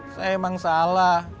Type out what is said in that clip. saya memang salah